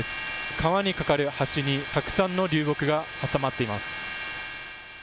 川に架かる橋にたくさんの流木が挟まっています。